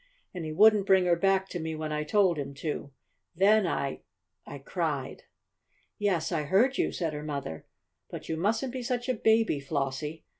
"And he wouldn't bring her back to me when I told him to. Then I I cried." "Yes, I heard you," said her mother. "But you mustn't be such a baby, Flossie.